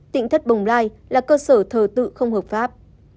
tỉnh thất bồng lai là cơ sở thờ tự không hợp pháp